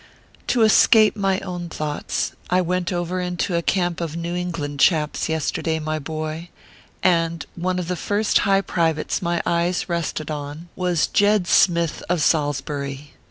To escape my own thoughts, I went over into a camp of New England chaps, yesterday, my boy, and one of the first high privates my eyes rested on was 230 ORPHEUS C. KERR PAPERS. Jed Smith, of Salsbury.